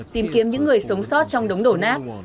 tìm kiếm những người sống sót trong đống đổ nát